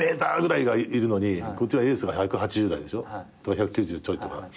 １９０ちょいとか。